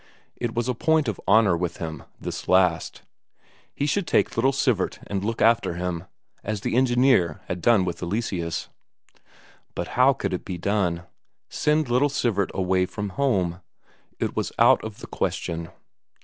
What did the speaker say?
It was a point of honour with him, this last; he should take little Sivert and look after him, as the engineer had done with Eleseus. But how could it be done? Send little Sivert away from home? it was out of the question.